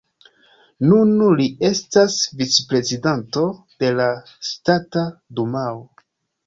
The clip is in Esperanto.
Nun li estas vicprezidanto de la Ŝtata Dumao.